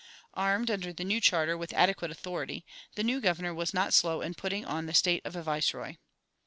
Armed, under the new charter, with adequate authority, the new governor was not slow in putting on the state of a viceroy.